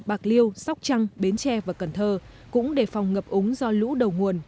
bạc liêu sóc trăng bến tre và cần thơ cũng đề phòng ngập ống do lũ đầu nguồn